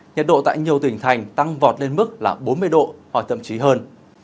nhiệt độ tại nhiều tỉnh thành tăng vọt lên mức là bốn mươi độ hoặc thậm chí hơn